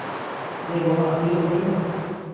ئەڵێ بۆ ئاخری ئەمرن